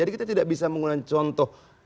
kita bisa menggunakan contoh